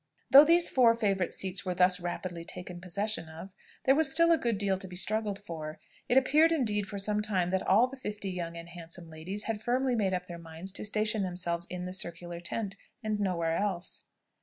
Though these four favourite seats were thus rapidly taken possession of, there was still a good deal to be struggled for. It appeared indeed for some time that all the fifty young and handsome ladies had firmly made up their minds to station themselves in the circular tent, and nowhere else.